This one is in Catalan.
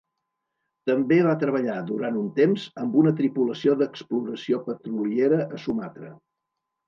També va treballar, durant un temps, amb una tripulació d'exploració petroliera a Sumatra.